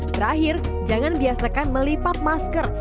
terakhir jangan biasakan melipat masker